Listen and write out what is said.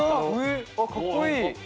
あっかっこいい。